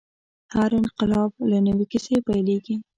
هر انقلاب له نوې کیسې پیلېږي.